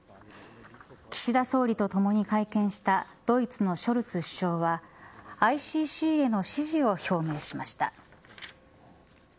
岸田総理とともに会見したドイツのショルツ首相はＩＣＣへの指示を表明しました。